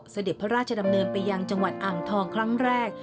เสด็จพระราชดำเนินไปยังจังหวัดอ่างทองครั้งแรก